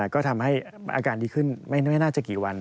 ก็ทำให้อาการดีขึ้นไม่น่าจะกี่วัน